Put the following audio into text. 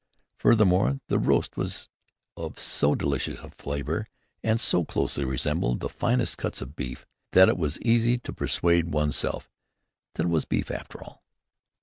Furthermore, the roast was of so delicious a flavor and so closely resembled the finest cuts of beef, that it was easy to persuade one's self that it was beef, after all.